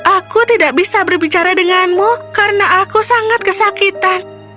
aku tidak bisa berbicara denganmu karena aku sangat kesakitan